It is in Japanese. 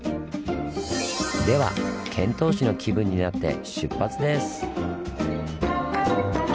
では遣唐使の気分になって出発です！